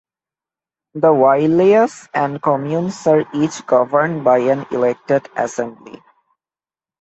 The wilayas and communes are each governed by an elected assembly.